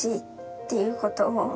っていうことを。